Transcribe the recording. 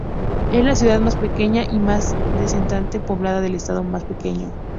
Es la ciudad más pequeña y más densamente poblada del estado más pequeño.